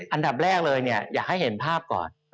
อันดับแรกเลยอยากให้เห็นภาพก่อน